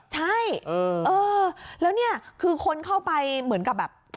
ใช่เออแล้วเนี่ยคือคนเข้าไปเหมือนกับแบบ